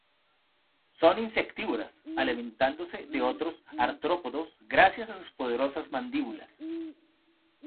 Son insectívoras, alimentándose de otros artrópodos gracias a sus poderosas mandíbulas.